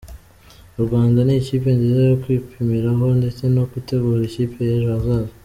U Rwanda n’ikipe nziza yo kwipimiraho ndetse no gutegura ikipe y’ejo hazaza.